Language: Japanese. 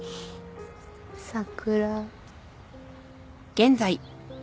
桜